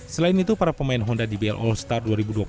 selain itu para pemain honda dbl all star dua ribu dua puluh dua